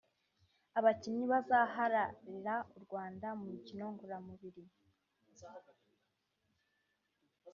Abakinnyi bazahararira Urwanda mu mikino ngororamubiri